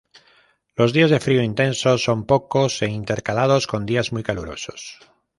Los días de frío intenso son pocos e intercalados con días muy calurosos.